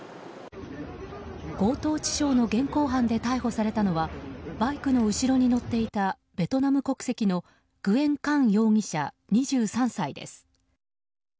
強盗致傷の現行犯で逮捕されたのはバイクの後ろに乗っていたベトナム国籍のグエン・カン容疑者、２３歳です。